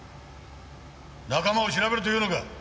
仲間を調べるというのか。